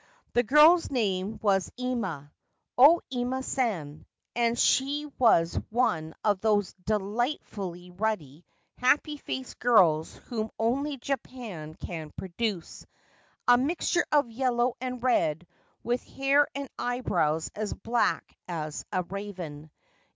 The girl's name was Ima, O Ima San, and she was one of those delightful ruddy, happy faced girls whom only Japan can produce — a mixture of yellow and red, with hair and eyebrows as black as a raven.